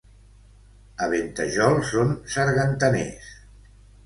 A Ventajol són sargantaners.